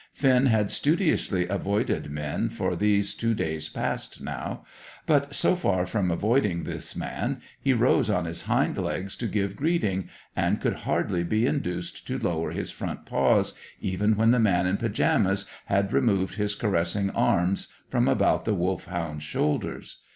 Finn had studiously avoided men for these two days past now; but, so far from avoiding this man, he rose on his hind legs to give greeting, and could hardly be induced to lower his front paws, even when the man in pyjamas had removed his caressing arms from about the Wolfhound's shoulders.